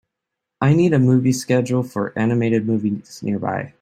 I need a movie schedule for animated movies nearby